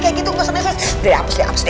kayak gitu udah udah apus deh apus deh